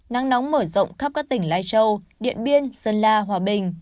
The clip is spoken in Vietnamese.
nắng nóng mở rộng khắp các tỉnh lai châu điện biên sơn la hòa bình